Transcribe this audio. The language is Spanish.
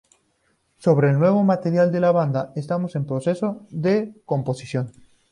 Sobre el nuevo material de la banda: “Estamos en el proceso de composición.